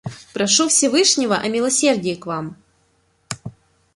Прошу Всевышнего о милосердии к вам.